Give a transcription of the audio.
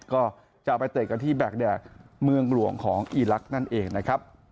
ก็จะไปเตะกันที่แบกแดดเมืองหลวงของอีลักษณ์นั่นเองนะครับ